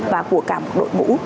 và của cả một đội ngũ